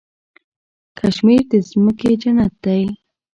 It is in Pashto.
کشمیر د ځمکې جنت دی.